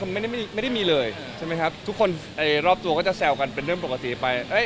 เอาจริงไม่ได้กดเมิดได้เลยทุกคนรอบตัวก็จะแซวกันเป็นเรื่องปกติไป